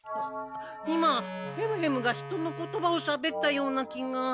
今ヘムヘムが人の言葉をしゃべったような気が。